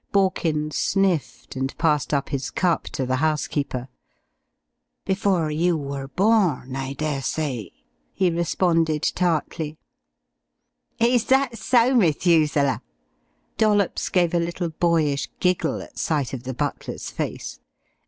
Borkins sniffed, and passed up his cup to the housekeeper. "Before you were born, I dessay," he responded tartly. "Is that so, Methuselah?" Dollops gave a little boyish giggle at sight of the butler's face.